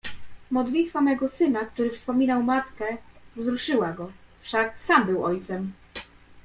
"Modlitwa mego syna, który wspominał matkę, wzruszyła go... wszak sam był ojcem..."